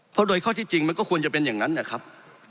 เพราะโดยข้อที่จริงมันก็ควรจะเป็นอย่างนั้นนะครับ